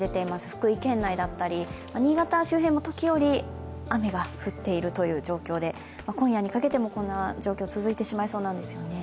福井県内だったり新潟周辺も時折雨が降っている状況で今夜にかけてもこんな状況が続いてしまいそうなんですよね。